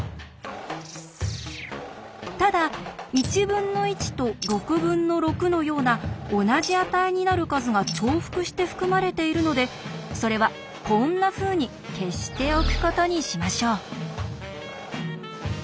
ただ「１分の１」と「６分の６」のような同じ値になる数が重複して含まれているのでそれはこんなふうに消しておくことにしましょう。